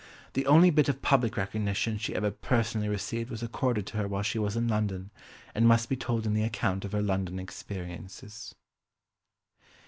The only bit of public recognition she ever personally received was accorded to her while she was in London, and must be told in the account of her London experiences.